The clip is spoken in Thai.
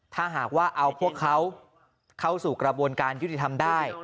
ถ้าหากว่าเอาพวกเขาเข้าสู่กระบวนการยุติธรรมได้